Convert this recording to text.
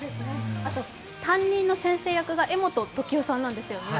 あと、担任の先生役が柄本時生さんなんですよね。